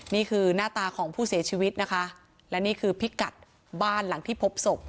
นี่คือหน้าตาของผู้เสียชีวิตนะคะและนี่คือพิกัดบ้านหลังที่พบศพ